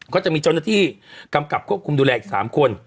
ก็จะมีเจ้าหน้าที่กำกับควบคุมดูแลอีก๓คน